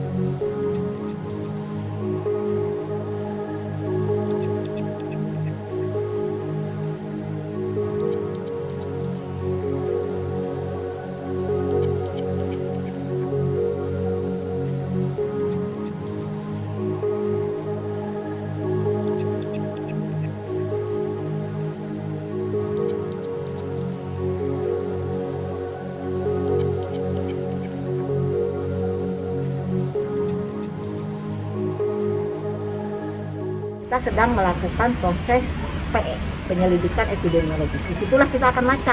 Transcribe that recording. jangan lupa like share dan subscribe ya